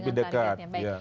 lebih dekat ya